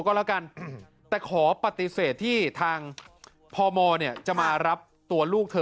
ก็แล้วกันแต่ขอปฏิเสธที่ทางพมเนี่ยจะมารับตัวลูกเธอ